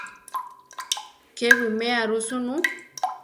Ke wiméa ru sunú.